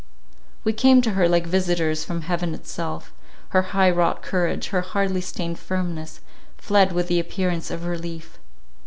We came to her like visitors from heaven itself; her high wrought courage; her hardly sustained firmness, fled with the appearance of relief.